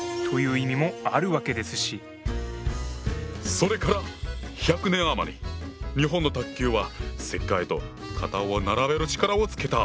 それから１００年余り日本の卓球は世界と肩を並べる力をつけた。